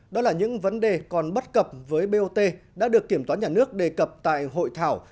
đó là những vấn đề còn bất cập với bot đã được kiểm toán nhà nước đề cập tại hội thảo